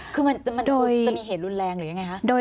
คือมันจะมีเหตุรุนแรงหรือยังไงคะ